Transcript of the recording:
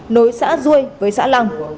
nối xã duê với xã lăng